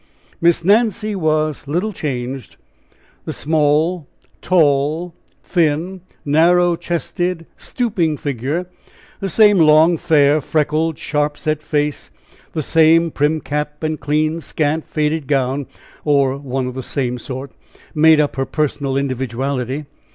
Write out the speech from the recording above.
Miss Nancy was little changed; the small, tall, thin, narrow chested, stooping figure the same long, fair, freckled, sharp set face the same prim cap, and clean, scant, faded gown, or one of the same sort made up her personal individuality.